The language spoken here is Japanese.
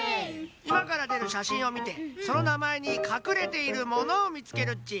いまからでる写真をみてそのなまえにかくれているものをみつけるっち。